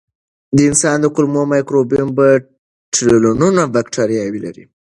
د انسان د کولمو مایکروبیوم په ټریلیونونو بکتریاوې لري.